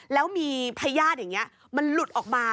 แล้วมีพญาติอย่างนี้มันหลุดออกมา